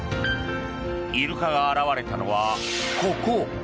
イルカが現れたのは、ここ。